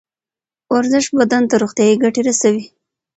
ورزش بدن ته روغتیایی ګټه رسوي